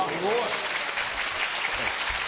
よし！